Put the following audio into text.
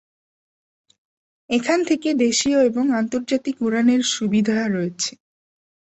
এখান থেকে দেশীয় এবং আন্তর্জাতিক উড়ানের সুবিধা রয়েছে।